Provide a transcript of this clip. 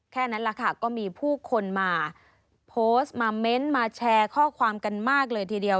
แค่นั้นแหละค่ะก็มีผู้คนมาโพสต์มาเม้นต์มาแชร์ข้อความกันมากเลยทีเดียว